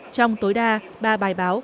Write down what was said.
trong tối đa ba bài báo